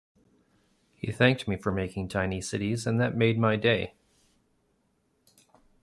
He thanked me for making Tiny Cities, and that made my day!